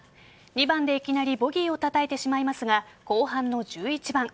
２番でいきなりボギーをたたいてしまいますが後半の１１番。